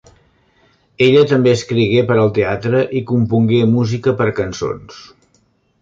Ella també escrigué per al teatre i compongué música per a cançons.